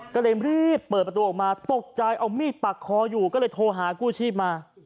ก็เลยรีบเปิดประตูออกมาตกใจเอามีดปักคออยู่ก็เลยโทรหากู้ชีพมา